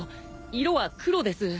色は黒です。